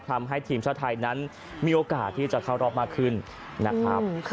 ทำให้ทีมชาติไทยนั้นมีโอกาสที่จะเข้ารอบมากขึ้นนะครับ